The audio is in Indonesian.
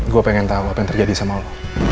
gue pengen tahu apa yang terjadi sama lo